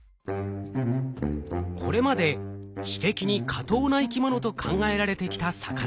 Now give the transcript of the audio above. これまで知的に下等な生き物と考えられてきた魚。